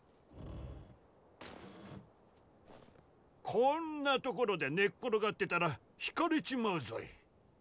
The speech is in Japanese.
こんなところで寝っ転がってたらひかれちまうぞい！